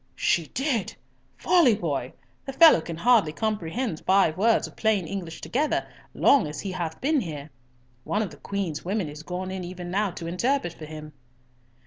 "She did! Folly, boy! The fellow can hardly comprehend five words of plain English together, long as he hath been here! One of the Queen's women is gone in even now to interpret for him."